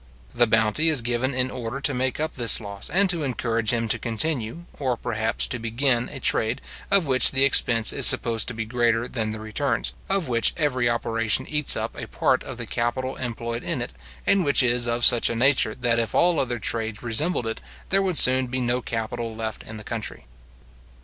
The bounty is given in order to make up this loss, and to encourage him to continue, or, perhaps, to begin a trade, of which the expense is supposed to be greater than the returns, of which every operation eats up a part of the capital employed in it, and which is of such a nature, that if all other trades resembled it, there would soon be no capital left in the country.